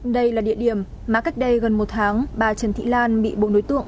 đây là địa điểm mà cách đây gần một tháng bà trần thị lan bị bộ đối tượng